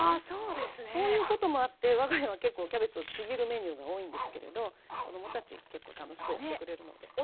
そういうこともあって我が家は結構キャベツをちぎるメニューが多いんですけれど子どもたち結構楽しくやってくれるので。